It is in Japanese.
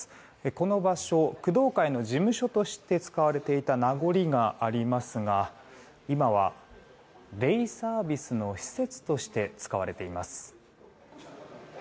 この場所、工藤会の事務所として使われていた名残がありますが今は、デイサービスの施設として使われています。